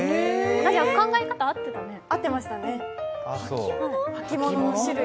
考え方、合ってましたね。